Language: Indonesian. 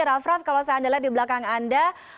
raff raff kalau saya anda lihat di belakang anda